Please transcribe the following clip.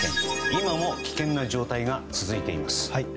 今も危険な状態が続いています。